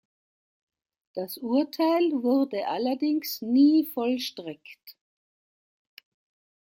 Das Urteil wurde allerdings nie vollstreckt.